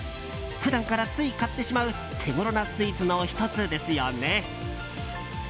普段からつい買ってしまう手ごろなスイーツの１つですよね。